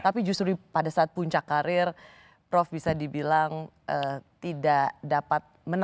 tapi justru pada saat puncak karir prof bisa dibilang tidak dapat menang